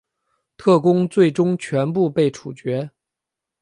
特工最终全部被处决。